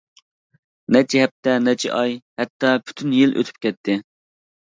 نەچچە ھەپتە، نەچچە ئاي، ھەتتا پۈتۈن يىل ئۆتۈپ كەتتى.